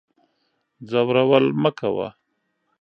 ځورول مکوه